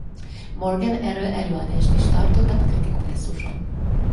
Morgan erről előadást is tartott a madridi kongresszuson.